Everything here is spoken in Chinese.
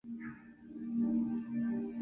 唐德宗贞元十八年曾遣使朝贡。